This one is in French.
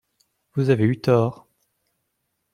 Vous avez eu tort…